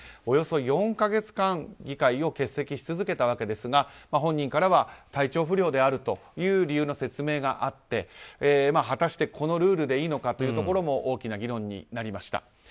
およそ４か月間議会を欠席し続けたわけですが本人から体調不良であるという理由の説明があって果たしてこのルールでいいのかというところも大きな議論になりました。